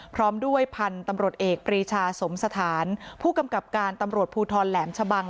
พร้อมด้วยพันธุ์ตำรวจเอกปรีชาสมสถานผู้กำกับการตำรวจภูทรแหลมชะบัง